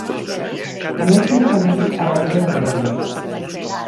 En un cert sentit, avaria de progre.